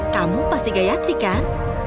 kamu pasti gayatri kan